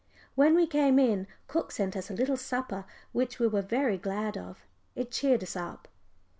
When we came in, cook sent us a little supper which we were very glad of; it cheered us up.